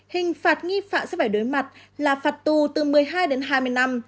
hình phạt nghi phạm sẽ phải đối mặt là phạt tù từ một mươi hai đến hai mươi năm